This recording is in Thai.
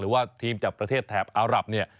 ว่าทีมจากประเทศแถบอารับเนี่ย